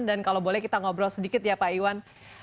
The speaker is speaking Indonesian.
dan kalau boleh kita ngobrol sedikit ya pak iwan